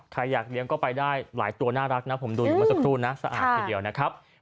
อยากเลี้ยงก็ไปได้หลายตัวน่ารักนะผมดูอยู่เมื่อสักครู่นะสะอาดทีเดียวนะครับ